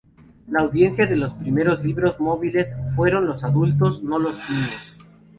La audiencia de los primeros libros móviles fueron los adultos, no los niños.